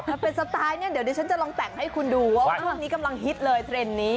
ถ้าเป็นสไตล์เนี่ยเดี๋ยวดิฉันจะลองแต่งให้คุณดูว่าช่วงนี้กำลังฮิตเลยเทรนด์นี้